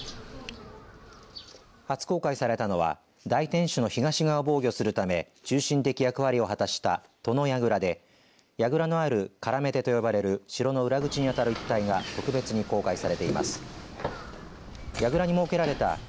初公開されたのは大天守の東側を防御するため中心的役割を果たしたトの櫓でやぐらのある搦手と呼ばれる城の裏口にあたる一帯が特別に公開されています。